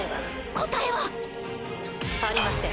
答えは！ありません。